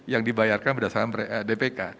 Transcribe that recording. yang dibayarkan berdasarkan dpk